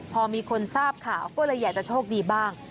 พอมีคนทราบข่าวก็เลยอยากจะโชคดีบ้าง